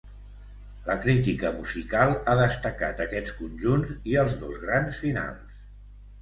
La crítica musical ha destacat aquests conjunts i els dos grans finals.